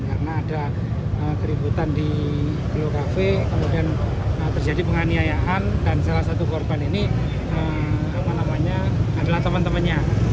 karena ada keributan di beliau kafe kemudian terjadi penganiayahan dan salah satu korban ini namanya adalah teman temannya